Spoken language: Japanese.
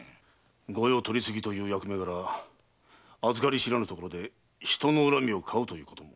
「御用取次」という役目柄与り知らぬところで人の恨みを買うということも？